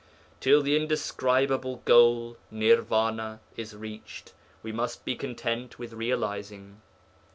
Till the indescribable goal (Nirvana) is reached, we must be content with realizing.